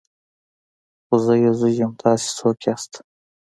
هو زه يې زوی يم تاسې څوک يئ.